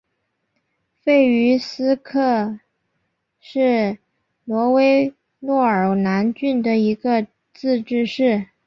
弗于斯克是挪威诺尔兰郡的一个自治市。